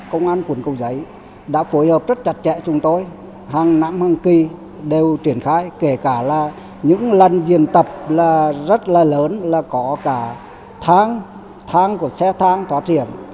công an quận cầu giấy đã phối hợp rất chặt chẽ chúng tôi hàng năm hàng kỳ đều triển khai kể cả là những lần diễn tập là rất là lớn là có cả tháng của xe thang có triển